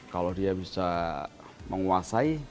kalau dia bisa menguasai